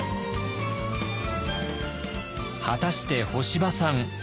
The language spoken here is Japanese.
果たして干場さん